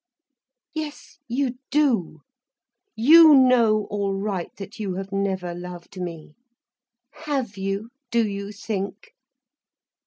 "Yes, you do. You know all right that you have never loved me. Have you, do you think?"